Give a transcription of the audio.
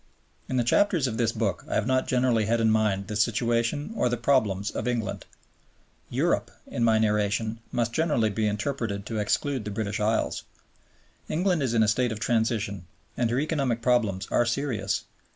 In the chapters of this book I have not generally had in mind the situation or the problems of England. "Europe" in my narration must generally be interpreted to exclude the British Isles. England is in a state of transition, and her economic problems are serious.